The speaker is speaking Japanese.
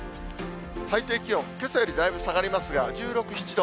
最低気温、けさよりだいぶ下がりますが、１６、７度。